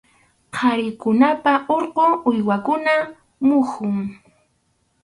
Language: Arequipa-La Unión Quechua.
Qharikunapa urqu uywakunapa muhun.